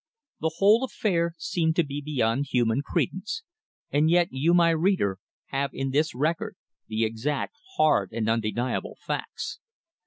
The whole affair seemed to be beyond human credence. And yet you, my reader, have in this record the exact, hard and undeniable facts.